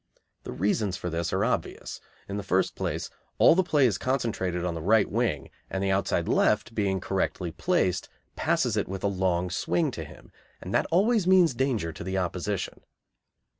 The reasons for this are obvious. In the first place, all the play is concentrated on the right wing, and the outside left, being correctly placed, passes it with a long swing to him, and that always means danger to the opposition.